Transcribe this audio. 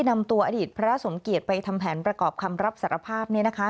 นำตัวอดีตพระสมเกียจไปทำแผนประกอบคำรับสารภาพเนี่ยนะคะ